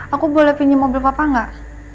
aku boleh pinjam mobil papa gak